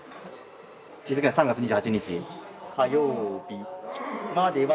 日付は「３月２８日火曜日」までは。